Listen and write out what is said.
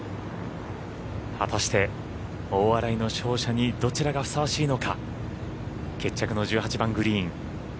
果たして大洗の勝者にどちらがふさわしいのか決着の１８番グリーン。